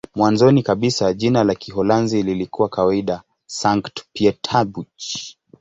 Mwanzoni kabisa jina la Kiholanzi lilikuwa kawaida "Sankt-Pieterburch".